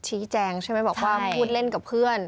ใช่ไหมบอกว่าพูดเล่นกับเพื่อน